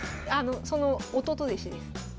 その弟弟子です。